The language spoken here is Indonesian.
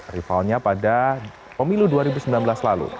rivalnya pada pemilu dua ribu sembilan belas lalu